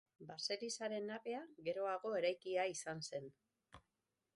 Baselizaren nabea geroago eraikia izan zen.